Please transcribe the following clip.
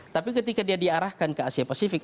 tapi ketika dia diarahkan ke asia pasifik